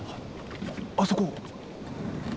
あそこ。